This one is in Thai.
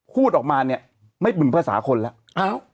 พูดออกมาเนี่ยไม่บึนภาษาคนแล้ว